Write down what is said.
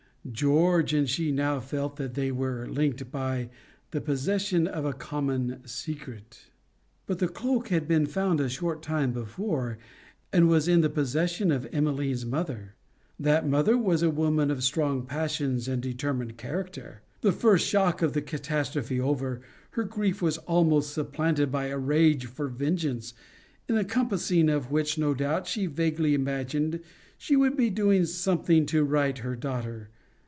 George and she now felt that they were linked by the possession of a common, secret. But the cloak had been found a short time before, and was in the possession of Emmeline's mother. That mother was a woman of strong passions and determined character. The first shock of the catastrophe over, her grief was almost supplanted by a rage for vengeance, in the compassing of which no doubt she vaguely imagined she would be doing something to right her daughter.